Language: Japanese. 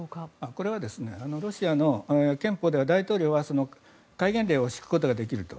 これはロシアの憲法では大統領は戒厳令を敷くことができると。